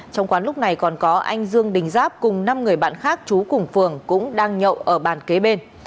trong quán lúc này còn có anh dương đình giáp cùng năm người bạn khác chú cùng phường cũng đang nhậu ở bàn kế bên